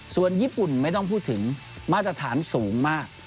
ส่วนญี่ปุ่นไม่ต้องพูดถึงมาตรฐานสูงมาก